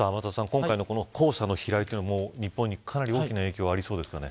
今回の黄砂の飛来というのも日本にかなり大きな影響ありそうですかね。